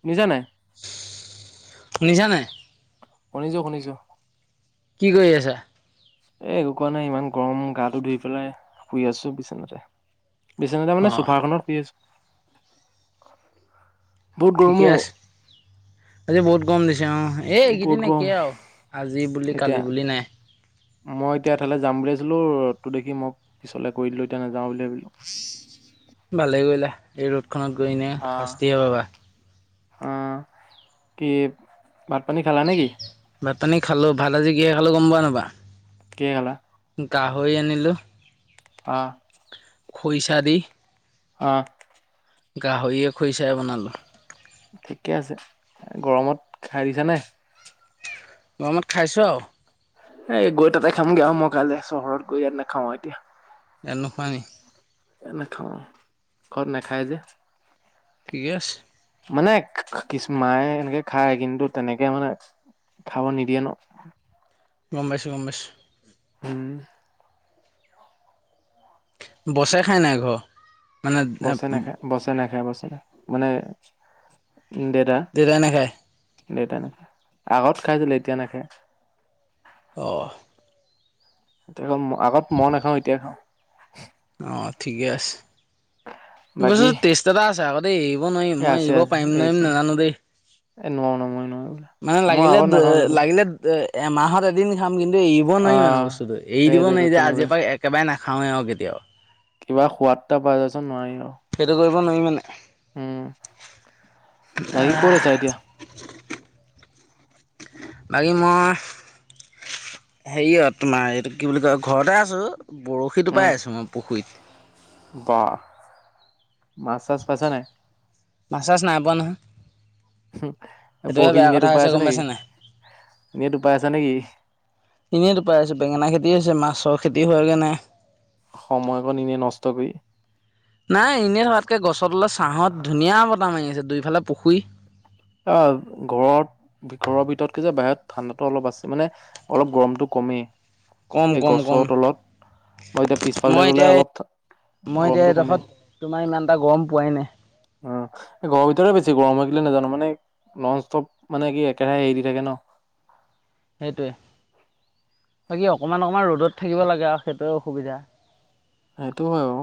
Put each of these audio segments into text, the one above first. শুনিছা নাই? শুনিছা নাই? শুনিছো -শুনিছো। কি কৰি আছা? এ একো কৰা নাই ইমান গৰম গাটো ধুই পেলাই শুই আছো বিচনাতে। বিচনাতে মানে অঁ চোফাখনত শুই আছোঁ বহুত গৰম ঠিকে অ, আছে আজি বহুত গৰম দিছে অ, এই বহুত এইকেইদিন গৰম। একেই আও আজি বুলি এতিয়া কালি বুলি নাই। মই এতিয়া এঠাইলে যাম বুলি আছিলোঁ ৰ'দটো দেখি মই পিছলে কৰি দিলোঁ এতিয়া নেযাও বুলি ভাবিলোঁ। ভালেই কৰিলা এই ৰ'দখনত গৈ এনে শাস্তি হে পাবা। অ, কি ভাত পানী খালা নেকি? ভাত পানী খালোঁ ভাত আজি কিহে খালো গম পোৱা নোপোৱা? কিহে খালা? গাহৰি আনিলোঁ। অহ', খইচা দি। অ', গাহইয়ে খইচাই বনালোঁ। ঠিকে আছে গৰমত খাই দিছা নে? গৰমত খাইছোঁ আও। এ গৈ তাতে খামগে আও মই কাইলে চহৰত গৈ ইয়াত নেখাওঁ আৰ এতিয়া। ইয়াত নোখোৱা নি? এ নাখাওঁ আৰ ঘৰত নাখায় যে। ঠিকে আছ মানে [unintelligible] কি কিচ মায়ে এনেকে খায় কিন্তু তেনেকে মানে খাব নিদিয়ে ন'। গম পাইছোঁ - গম পাইছ উম, বছে খাই নাই ঘ বছে নেখায়- বছে নেখায় বছে নে মানে দেতা। দেতাই নেখায়। দেউতাই নাখাই আগত খাইছিলে এতিয়া নেখাই। অহ', [unintelligible] আগত মৌও নাখাওঁ এতিয়া খাওঁ। অ, ঠিকে আছে বাকী [unintelligible] জাতা আছে আকৌ দেই এৰিব নোৱাৰিম এ মই আছে এৰিব আছে পাৰিম নে এইচ নাজানো দেই। এ নোৱাৰো [unintelligible] মানে আগত লাগিলেদ নাখাওঁ [unintelligible] কিন্তু লাগিলেদ [unintelligible] এমাহত এদিন খাম কিন্তু এৰিব নোৱাৰি মানে আহ বস্তুটো এৰি দিব সেইটোতো নোৱাৰি যে তেনেকুৱা আজিৰ পৰা একেবাৰে নাখাওঁৱে আৰু কেতিয়াও। কিবা সোৱাদটা পাই তাৰছত নোৱাৰি আও। সেইটো কৰিব নোৱাৰি মানে। উম, বাকি ক'ত আছা এতিয়া? বাকী মই হেৰিয় তোমাৰ এইটো কি বুলি কয় ঘৰতে আছো বৰশী উম টুপাই আছো মই পুখুৰীত। বাহ মাছ-চাছ পাইছা নাই? মাছ- চাছ নাই পোৱা নহয়। হম, সেইটোহে বহি বেয়া কথা নেটো পাই হৈছে আছা গম নেকি পাইছে নাই নেটো পাই আছা নেকি? এনেই টুপাই আছো বেঙেনা খেতি হৈছে মাছৰ খেতি হোৱাগে নাই। সময়কণ এনে নষ্ট কৰি। নাই এনেই থকাতকে গছতলত ছাহত ধুনীয়া বতাহ মাৰি আছে দুইফালে পুখুৰী। অ, ঘৰত ঘৰৰ ভিতৰত কি যে বাহিৰত ঠাণ্ডাতটো অলপ আছে মানে অলপ গৰমতটো কমেই কম এই কম কম গছৰ তলত। মই এতিয়া পিছফালে মই গলে এতিয়া অলপ মই এতিয়া গৰমটো কমে। এইডোখৰত তোমাৰ ইমান এটা গৰম পোৱাই নাই উম, এই ঘৰৰ ভিতৰে বেছি গৰম হয় কেলে নাজানো মানে ননষ্টপ মানে কি একেৰাহে হেৰি দি থাকে ন। সেইটোৱে বাকী অকণমান-অকণমান ৰ'দত থাকিব লাগে আৰু সেইটোৱে অসুবিধা। সেইটো হয় আৰু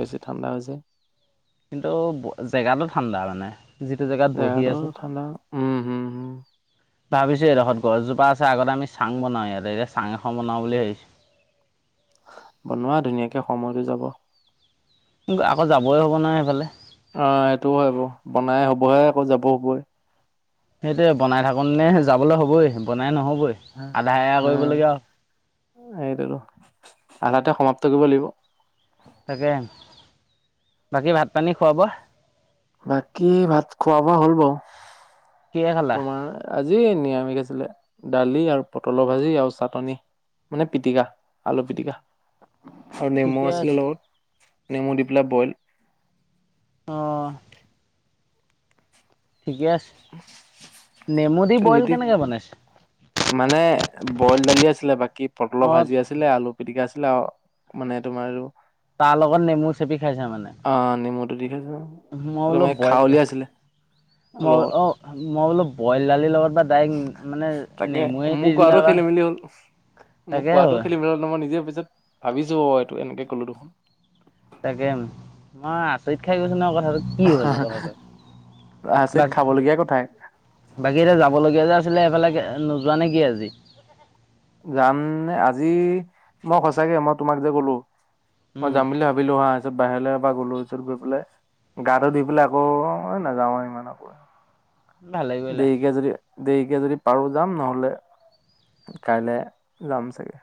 বেছি ঠাণ্ডা হয় যে। কিন্তু জেগাটো ঠাণ্ডা মানে। যিটো জেগাত বহি জেগাতটো আছোঁ ঠাণ্ডা উম, হম-হম। ভাবিছো এইডোখৰ গছজোপা আছে আগতে আমি চাং বনাও ইতে এতিয়া চাং এখন বনাও বুলি ভাবিছো। বনোৱা ধুনীয়াকে সময়তো যাব। আকৌ যাবই হব নহয় সেইফালে। অ, সেইটোও হবই বনাই হবহে আকৌ যাব হবই। সেইটোৱে বনাই থাকোন নে যাবলৈ হ'বই বনাই নহ'ব। হ অহ, সেইটোতো আধাতে সমাপ্ত কৰিব লাগিব। তাকে বাকী ভাত- পানী, খোৱা -বোৱা? বাকী ভাত খোৱা-বোৱা হ'ল বাও। কিহেৰে খালা? আজি নিৰামিষ আছিলে দালি আৰু পটলৰ ভাজি আৰু চাটনি। মানে পিটকা আলু পিটকা। আৰু নেমু ঠিকে আছিলে আছে লগত নেমু দি পেলাই বইল অ', ঠিকে আছে। উম, নেমু দি বইল কেনেকে বনাইছে? মানে বইল দালি আছিলে বাকি পটলৰ অঁ ভাজি আছিলে আলু পিটিকা আছিলে আৰু মানে তোমাৰ তাৰ লগত নেমু চেপি খাইছো মানে। অ, নেমুটো দি খাইছো। মই বোলো তোমাৰ বইল খাৱলি আছিলে মইল লগত অ, মই বোলো বইল দালিৰ লগত বা তাইক মানে তাকে নেমুৱে মোৰ দি কোৱাটো দিলা বা খেলি মেলি হ'ল মোৰ তাকে কোৱাটো হলে। খেলি মেলি হ'ল মই নিজে পিছত ভাবিছো অ, এইটো এনেকে কলো দেখোন। তাকে মই আচৰিত খাই গৈছো ন কথাটো। কি হ'ল আহ কথাটো আচৰিত বাকী খাবলগীয়া কথাই। বাকী এতিয়া যাবলগীয়া যে আছিলে এইফালে নোযোৱা নেকি আজি। জাম আজি মই সঁচাকে মই তোমাক যে কলো। মই উম যাম বুলি ভাবিলো হা তাৰপিছত বাহিৰলৈ এবাৰ গ'লো পিছত গৈ পেলাই গাটো ধুই পেলাই আকৌ নাযাও আৰু ইমান আকৌ। ভালে কৰিলা দেৰিকে যদি - দেৰিকে যদি পাৰো যাম নহলে কাইলৈ যাম চাগে।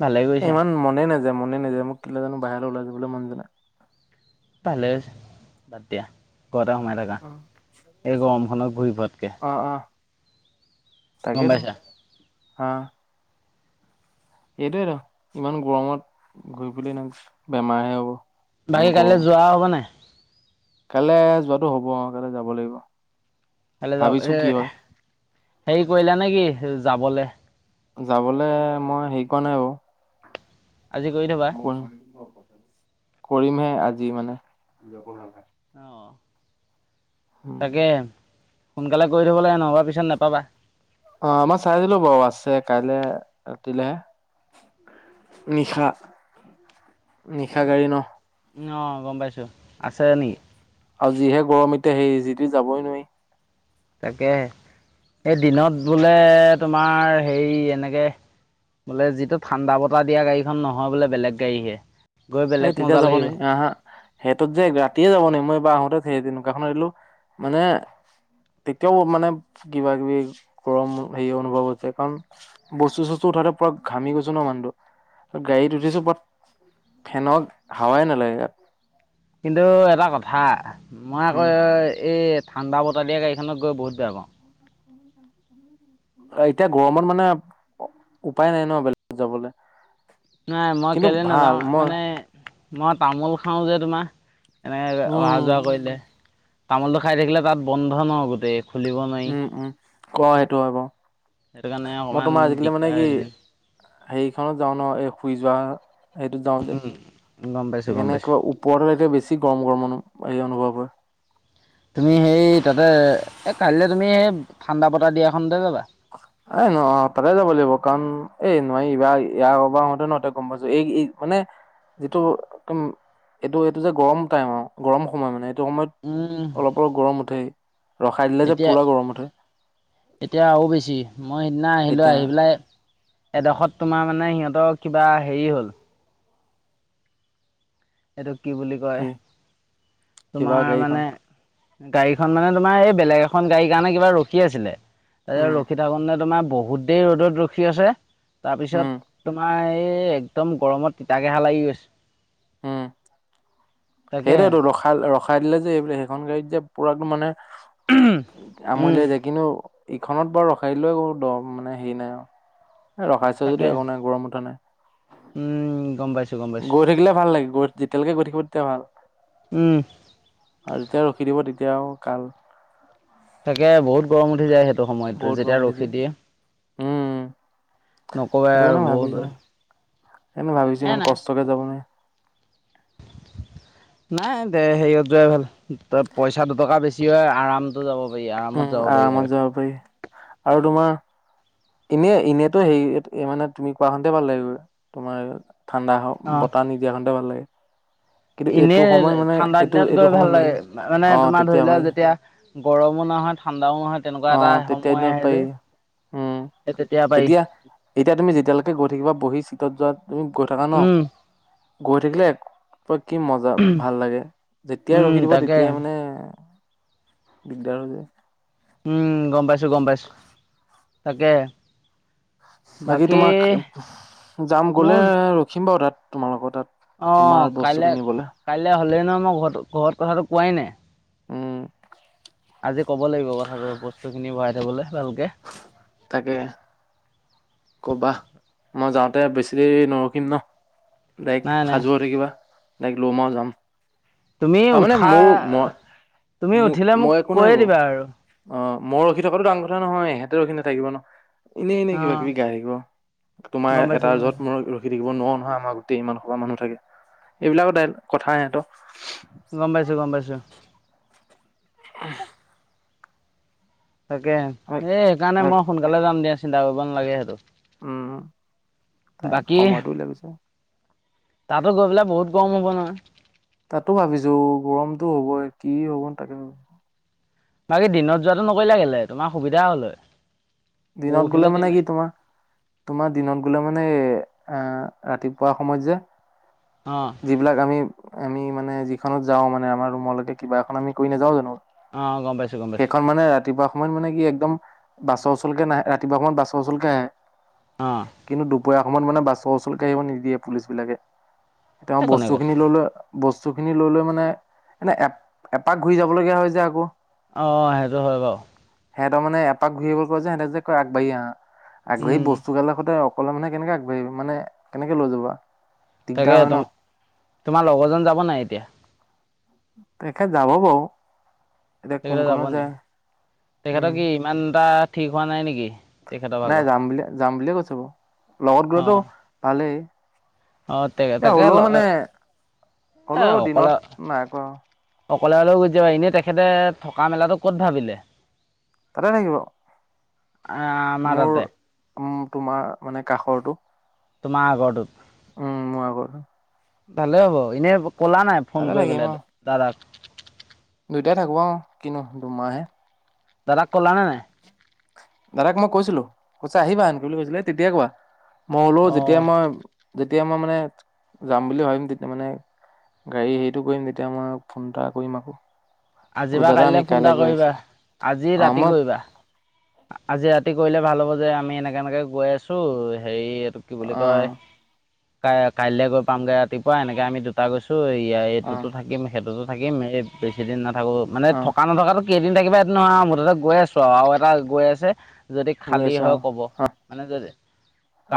ভালে এ কৰিছা ইমান মনে নাযায় - মনে নাযায় মোক কেতিয়া জানো বাহিৰলৈ ওলাই যাবলৈ মন যায়। ভালে হৈছে বাদ দিয়া ঘৰতে সোমাই থাকা নাই এই গৰমখনত ঘূৰি ফুৰোতকে। তাকেতো পাইছা হা এইটোৱেই ত ইমান গৰমত ঘূৰি ফুৰিলে বেমাৰহে হ'ব। ইমান বাকী কাইলৈ যোৱা হ'ব নাই? কাইলৈ যোৱাতটো হ'ব অ, কাইলৈ যাব লাগিব। কাইলে যা ভাবিছো এ কি হয় হেৰি কৰিলা নেকি যাবলে। যাবলৈ মই হেৰি কৰাৱা নাই বাৰু। আজি কৰি থবা [unintelligible] কৰিমহে আজি মানে। অ, উম তাকে সোনকালে কৰি থ'ব লাগে নহ'বা পিছত নেপাবা। অ, মই চাইছিলো বাৰু আছে কাইলে ৰাতিলে। নিশা - নিশা গাড়ী ন। অ, গম পাইছো আছে নেকি? আৰু যিহে গৰম এতিয়া সেই যিটো যাবই নোৱাৰি। তাকেহে এই দিনত বোলে তোমাৰ হেৰি এনেকৈ। বোলে যিটো ঠাণ্ডা বতাহ দিয়া গাড়ীখন নহয় বোলে বেলেগ গাড়ীহে। গৈ বেলেগ এই তেতিয়া মজা যাব লাগিব নোৱাৰি আহা। সিতো যে ৰাতিয়ে যাব নোৱাৰি মই এবাৰ আহোতে সেই নকাখন আহিলো মানে তেতিয়াও মানে কিবা কিবি গৰম হেৰি অনুভৱ হৈছে কাৰণ বস্তু চস্তু উঠাতে পুৰা ঘামি গৈছো ন মানুহটো গাড়ীত উঠিছো বাট ফেনক হাৱাই নালাগে ইয়াত। কিন্তু এটা কথা মই আকৌ উম এই ঠাণ্ডা বতাহ দিয়া গাড়ীখনত গৈ বহুত বেয়া পাও। এতিয়া গৰমত মানে উপায় নাই ন বেলেগত যাবলৈ। নাই মই কেলৈ নাযাও মই মানে মই তামোল খাও যে তোমাৰ। এনেকৈ অহা উম যোৱা কৰিলে তামোলটো খাই থাকিলে তাত বন্ধ ন গোটেই। খুলিব নোৱাৰি উম - উম ক সেইটো হয় বাৰু। সেইটো কাৰণে অকণমান দিগদাৰ হৈছে। হেইৰিখনত যাও ন এই শুই যোৱা সেইটো যাও যে উম, গম পাইছোঁ, গম সেইকাৰনে পাইছোঁ। ও ওপৰ এতিয়া বেছি গৰম-গৰম এই অনুভৱ হয়। তুমি সেই তাতে এ কাইলৈ তুমি সেই ঠাণ্ডা বতাহ দিয়াখনতে যাবা। এ ন তাতে যাব লাগিব কাৰণ এই নোৱাৰি এইবাৰ ইয়াৰব আহোতে নহ গম পাইছো এই। মানে যিটো একদম এইটো এইটো যে গৰম টাইম আৰু গৰম সময় মানে এইটো সময়ত উম, অলপ - অলপ গৰম উঠে ৰখাই দিলে যে এতিয়া পুৰা গৰম উঠে। এতিয়া আৰু বেছি মই সিদিনা আহিলো এতিয়া আহি পেলাই। এডখৰত তোমাৰ মানে সিহঁতৰ কিবা হেৰি হল। এইটো কি বুলি কয় কি কিবা তোমাৰ গাড়ীখন মানে গাড়ীখন মানে তোমাৰ এই বেলেগ এখন গাড়ীৰ কাৰণে কিবা ৰখি আছিলে। উম, তাৰপিছত ৰখি থাকো নে তোমাৰ বহুত দেৰি ৰ'দত ৰখি আছে। উম, তাৰপিছত তোমাৰ এই একদম গৰমত তিতাকেহা লাগি গৈছে। উম, তাকে সেইটোৱেতো ৰখা - ৰখাই দিলে যে এইব সেইখন গাড়ীত যে পুৰা মানে আমনি উম, লাই যায় কিন্তু ইখনত বাৰু ৰখাই দিলোও একো দ মানে হেৰি নাই আৰু। এ ৰখাইছে যদি তাকে একো নাই গৰম উঠা নাই। উম, গম পাইছো। গৈ থাকিলে ভাল লাগে গ যেতিয়ালৈকে গৈ থাকিব তেতিয়া ভাল উম, আৰু যেতিয়া ৰখি দিব তেতিয়া আকৌ কাল তাকে বহুত গৰম উঠি যায় সেইটো সময়ত বহুত গৰম যেতিয়া উঠিছে ৰখি দিয়ে। উম নকবা সেইটো কাৰণে আৰু বহুত ভাবিছো সেইকাৰণে ভাবিছো এ ইমান নাই। কষ্টকে যাব নোৱাৰি নাই দে হেৰিয়ত যোৱাই ভাল পইচা দুটকা বেছি হয় আৰাম যাব পাৰি উম আৰামত যাব পাৰি আৰামত আৰু। যাব পাৰি আৰু তোমাৰ এনেই -এনেইতো হেৰি মানে তুমি কোৱা হতে ভাল লাগিব তোমাৰ ঠাণ্ডা হওঁ অ, বতাহ নিদিয়াহনতে ভাল লাগে। কিন্তু ইনে এইটো সময়ত মানে ঠাণ্ডা এইটো দিনত এইটো গৈ ভাল সময়ত নোৱাৰি লাগে মানে অ তোমাৰ ধৰি তেতিয়া পাৰি লোৱা যেতিয়া গৰমো নহয় ঠাণ্ডাও নহয় তেনেকুৱা অ এটা তেতিয়া সময় দিনত আহে যে পাৰি উম এই তেতিয়া পাৰি। এতিয়া এতিয়া তুমি যেতিয়ালৈকে গৈ থাকিবা বহি চিটত যোৱা তুমি গৈ থাকা ন উম, গৈ থাকিলে [unintelligible] কি মজা ভাল লাগে যেতিয়া উম, ৰখি দিব তাকে তেতিয়াই মানে দিগদাৰ হৈ যায়। উম, গম পাইছোঁ -গম পাইছোঁ তাকে। বাকী তোমাক যাম গ'লে মোৰ ৰখিম বাৰু তাত তোমালোকৰ তাত। অ, তোমাৰ কাইলে বস্তুটো নিবলৈ -কাইলে হলেই নহয় মই ঘৰতো ঘৰত কথাটো কোৱাই নাই। উম, আজি ক'ব লাগিব কথাটো বস্তুখিনি ভৰাই থবলে ভালকে। তাকে। ক'বা মই যাওঁতে বেছি দেৰি নৰখিম ন' নাই ডাইৰেক্ট নাই সাজু হৈ থাকিবা। তাইক ল'ম আও যাম। তুমি হ মানে উঠা মোৰ মই তুমি মো উঠিলে মোক মই একো কৈয়ে নাই বাৰু। দিবা আৰু অ, মই ৰখি থকাটো ডাঙৰ কথা নহয় এহেতে ৰখি নাথাকিব ন'। এনেই এনে কিবা অঁ -কিবি গাই থাকিব তোমাৰ গম পাইছোঁ এটা গম য'ত পাইছোঁ মোৰ ৰখি থাকিব নোৱাৰো নহয় আমাৰ গোটেই ইমান সবা মানুহ থাকে এইবিলাকৰ দায়ী কথা সেহেটো গম পাইছোঁ - গম পাইছোঁ। [unintelligible] তাকে আমাক এই সেইকাৰণে আমাক মই সোনকালে যাম দিয়া চিন্তা কৰিব নালাগে সেইটো। উম, তাই বাকী সময়টো উলিয়া পিছে। তাতো গৈ পেলাই বহুত গৰম হ'ব নহয়। তাতো ভাবিছোঁ গৰমটো হ'বই কি হ'ব তাকে ভাব বাকী দিনত যোৱাটো নকৰিলা কেলেই তোমাৰ সুবিধা হ'ল হয়।। দিনত পৰহিলৈ গ'লে দিন মানে কি তোমাৰ তোমাৰ দিনত গ'লে মানে এই আহভৰাতিপুৱা সময়ত যে অ', যিবিলাক আমি -আমি মানে যিখনত যাওঁ মানে আমাৰ ৰুমলেকে কিবা এখন আমি কৰি নেযাও জানো। অঁ গম পাইছোঁ গম পাইছোঁ সেখন মানে ৰাত ৰাতিপুৱা সময়ত মানে কি একদম বাছৰ ওচলকে নাহে ৰাতিপুৱা সময়ত বাছৰ ওচলকে আহে। অঁ কিন্তু দুপৰীয়া সময়ত মানে বাছৰ ওচৰকে আহিব নিদিয়ে পুলিচ বিলাকে। তেওঁ এই কোনে কৈছে বস্তুখিনি ললোঁ আৰ বস্তু খিনি লৈ -লৈ মানে এনে এপ - এপাক ঘূৰি যাব লগীয়া হয় যে আকৌ। অ, সেইটো হয় বাও। সিহতৰ মানে এপাক ঘূৰি আহ [unintelligible] কয় যে সিহঁতে যে কৈ আগবাঢ়ি আহা। আগবাঢ়ি উম। বস্তু গালৰ সৈতে প্ৰলম মানে কেনেকে আগবাঢ়ি মানে কেনেকে লৈ যাবা? তাকে দিগদাৰ হয় ন তম তোমাৰ লগৰজন যাব নাই এতিয়া? তেখেত যাব বাওঁ। তেখেতে যাব নি? তেখেতৰ উম কি ইমান এটা ঠিক হোৱা নাই নেকি? তেখেতৰ নাই ভাগৰ যাম বুলি যাম বুলিয়ে কৈছো বাৰু বলগত গলেতো অঁ ভালেই। অঁ এয়া তাকে হ'লেও মানে, হ'লেও দিনত নাই কৰা আৰু। অকলে-লে গুচি যাবা এনেই তেখেতে থকা মেলাটো ক'ত ভাবিলে? তাতে থাকিব। আ আমাৰ মোৰ তাতে। উম, তোমাৰ মানে কাষৰটো। তোমাৰ আগৰটোক উম, মোৰ আগত হয়। ভালে হ'ব এনে কলা নাই ফোন তাতে কৰি থাকিম পেলাই আৰু দাদাক? দুইটাই থাকো অহ কিনো দুমাহে। দাদাক ক'লা নে নাই? দাদাক মই কৈছিলো কৈছে আহিবা সেনকে বুলি কৈছিলে এ ই তেতিয়া কোৱা মই হলো যেতিয়া অঁ মই যেতিয়া মই মানে যাম বুলি ভাবিম তেতিয়া মানে গাড়ী হেৰীটো কৰিম তেতিয়া মই ফোন এটা কৰিম আকৌ। আজি বোলো বা দাদা কাইলে আমি ফোন কাইলৈ এটা গৈ আছো কৰিবা আজি অ ৰাতি মই কৰিবা। আ আজি ৰাতি কৰিলে ভাল হ'ব যে আমি এনেকে এনেকে গৈ আছোঁ হেৰী এইটো কি বুলি অ কয়? কাই কাইলে গৈ পামগে ৰাতিপুৱা এনেকে আমি দু দুটা গৈছো এইয়া অ এইটোতো থাকিম সেইটোতো থাকিম এই বেছিদিন নাথাকো মানে অ থকা নথকাতো কেইদিন থাকিবা সেইটো নহয় আৱ মুঠতে গৈ আছোঁ আৱ আৰু এটা গৈ আছে। যদি গৈ খালি আছো হয় ক'ব? অ অ মানে যদি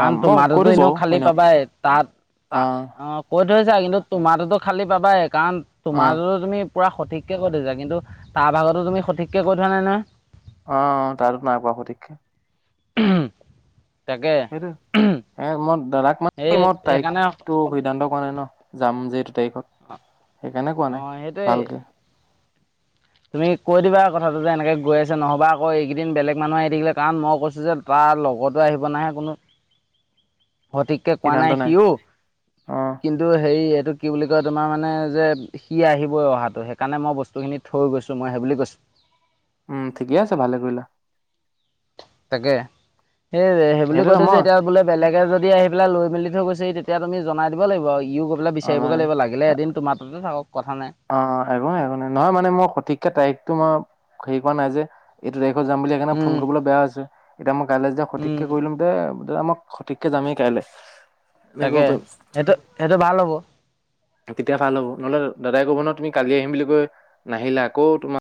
অ মই কৈ তোমাৰটোতো দিছো এনেও বাৰু হয় খালি ন পাবাই। তাত অ তা অহ কৈ থৈছা কিন্তু তোমাৰটোতো খালি পাবাই কাৰণ অ তোমাৰটোতো তুমি পুৰা সঠিককে কৈ থৈছা কিন্তু তাৰ ভাগৰটো তুমি সঠিককে কৈ থোৱা নাই নহয়। অঁ তাতো নাই কোৱা সঠিককে। উমহ তাকে সেইটো উমহ। এ মই দাদাক মানে কি মই তাৰিখটো সিদ্ধান্ত কৰা নাই ন যাম যিটো তাৰিখত। সেইকাৰণে কোৱা অঁ নাই সেইটোৱেই ভালকে। তুমি কৈ দিবা কথাটো যে এনেকে গৈ আছে নহ'বা আকৌ এইকেইদিন বেলেগ মানুহ আহি থাকিলে কাৰণ মই কৈছোঁ যে তাৰ লগতো আহিব নাহে কোনো [inaudible] সঠিককে কোৱা নাই সিও অ কিন্তু হেৰী এইটো কি বুলি কয় তোমাৰ মানে যে সি আহিবই অহাটো সেইকাৰণে মই বস্তুখিনি থৈ গৈছোঁ মই সেইবুলি কৈছোঁ। উম ঠিকে আছে ভালে কৰিলা। তাকে, সেই সেই বুলি সেইটো কৈ থৈছে নহয় এতিয়া বোলে বেলেগে যদি আহি পেলাই লৈ মেলি থৈ গৈছে তেতিয়া তুমি জনাই দিব লাগিব। ইউ গৈ পেলাই আমাৰ বিচাৰিবগে লাগিব লাগ লাগিলে এদিন তোমাৰ তাতে থাকক কথা নাই। অঁ একো নাই একো নাই। নহয় মানে মই সঠিককে তাৰিখটো মই হেৰী কৰা নাই যে এইটো তাৰিখত যাম বুলি। সেইকাৰণে ফোন কৰিবলৈ বেয়া হৈছে। এতিয়া মই কাইলৈ যেতিয়া সঠিককে কৰি লম দে দাদা মই সঠিককে যামেই কাইলে। তাকে সেইটো সেইটো ভাল হ'ব। তেতিয়া ভাল হ'ব নহ'লে দাদাই ক'ব ন তুমি কালি আহিম বুলি কৈ নাহিলা। আকৌ তোমাৰ